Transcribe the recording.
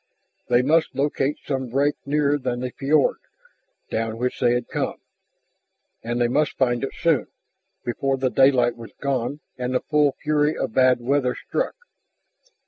They must locate some break nearer than the fiord, down which they had come. And they must find it soon, before the daylight was gone and the full fury of bad weather struck.